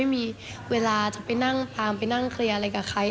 เวลาจะไปนั่งพามไปนั่งเคลียร์อะไรกับใคร